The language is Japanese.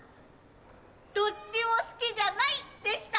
「どっちも好きじゃない」でした！